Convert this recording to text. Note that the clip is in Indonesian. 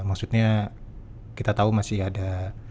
maksudnya kita tahu masih ada